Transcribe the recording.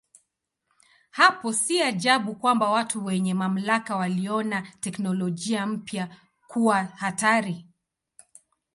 Hapo si ajabu kwamba watu wenye mamlaka waliona teknolojia mpya kuwa hatari.